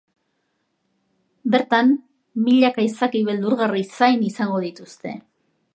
Bertan, milaka izaki beldurgarri zain izango dituzte.